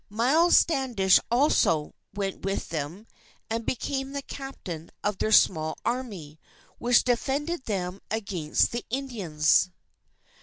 Miles Standish, also, went with them, and became the Captain of their small army, which defended them against the Indians.